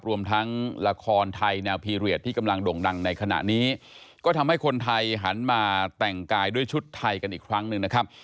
รวมทั้งละครไทยแนวพีเรียสที่กำลังด่งดังในขณะนี้ก็ทำให้คนไทยหันมาแต่งกายด้วยชุดไทยกันอีกครั้งหนึ่งนะครับ